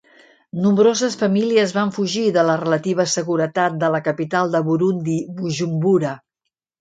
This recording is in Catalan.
Nombroses famílies van fugir de la relativa seguretat de la capital de Burundi Bujumbura.